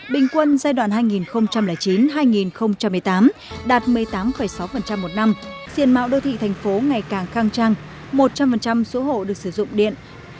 bình quân giai đoạn hai nghìn chín hai nghìn một mươi tám đạt một mươi tám sáu một năm diện mạo đô thị thành phố ngày càng khăng trăng một trăm linh số hộ được sử dụng điện